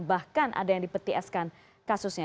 bahkan ada yang dipetieskan kasusnya